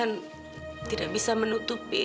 tante tidak bisa menutupi